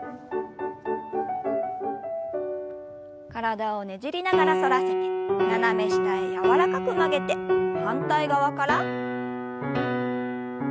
体をねじりながら反らせて斜め下へ柔らかく曲げて反対側から。